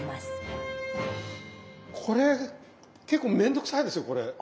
これ結構面倒くさいですよ。